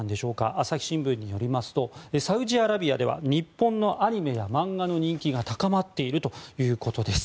朝日新聞によりますとサウジアラビアでは日本のアニメや漫画の人気が高まっているということです。